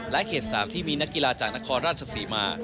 เขต๓ที่มีนักกีฬาจากนครราชศรีมา